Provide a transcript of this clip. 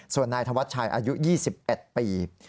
ส่วนนายธวัชชัยอายุ๒๑ปี